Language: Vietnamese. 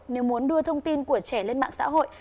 nếu muốn đưa thông tin của trẻ lên mạng xã hội